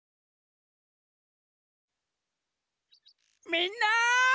みんな！